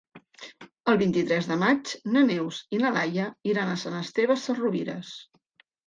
El vint-i-tres de maig na Neus i na Laia iran a Sant Esteve Sesrovires.